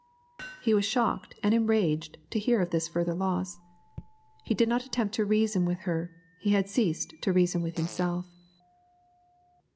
He was shocked and enraged to hear of this further loss. He did not attempt to reason with her; he had ceased to reason with himself.